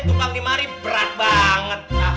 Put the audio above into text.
tukang dimari berat banget